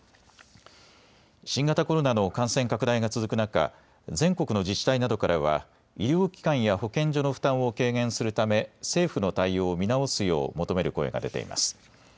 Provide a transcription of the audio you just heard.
新型コロナの感染拡大が続く中、全国の自治体などからは医療機関や保健所の負担を軽減するため政府の対応を見直すよう求める声が出ています。